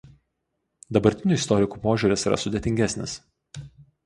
Dabartinių istorikų požiūris yra sudėtingesnis.